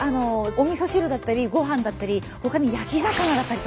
おみそ汁だったりご飯だったりほかに焼き魚だったりとか。